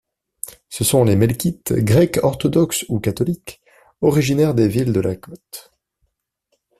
Ce sont les Melkites, grecs-orthodoxes ou catholiques, originaires des villes de la côte.